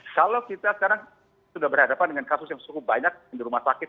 kalau kita sekarang sudah berhadapan dengan kasus yang cukup banyak di rumah sakit